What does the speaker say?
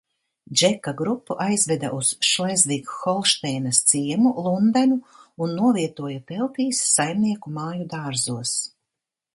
Džeka grupu aizveda uz Šlezvig Holšteinas ciemu Lundenu un novietoja teltīs, saimnieku māju dārzos.